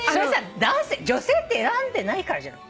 女性って選んでないからじゃないの？